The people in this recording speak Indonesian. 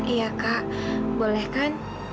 iya kak boleh kan